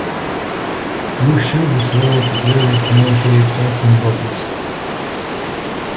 Two shelves loaded with various novelty perfume bottles.